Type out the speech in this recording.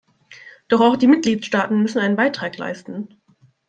Doch auch die Mitgliedstaaten müssen einen Beitrag leisten.